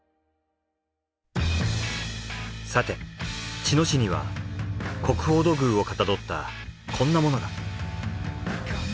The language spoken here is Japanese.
さて茅野市には国宝土偶をかたどったこんなものが。